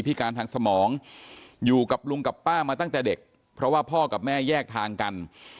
การทางสมองอยู่กับลุงกับป้ามาตั้งแต่เด็กเพราะว่าพ่อกับแม่แยกทางกัน